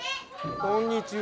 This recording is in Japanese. こんにちは。